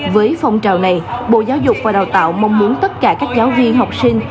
với phong trào này bộ giáo dục và đào tạo mong muốn tất cả các giáo viên học sinh